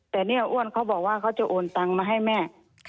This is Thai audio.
แต่เนี่ยอ้วนเขาบอกว่าเขาจะโอนตังมาให้แม่